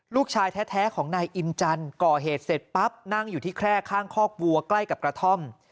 ลูกชายแท้ของนายอินจันทร์ก่อเหตุเสร็จปั๊บนั่งอยู่ที่แคร่ข้างคอกวัวใกล้กับกระท่อม